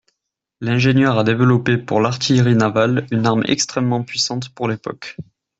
L'ingénieur a développé, pour l'artillerie navale, une arme extrêmement puissante pour l'époque.